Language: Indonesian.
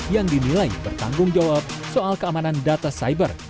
yang dinilai bertanggung jawab soal keamanan data cyber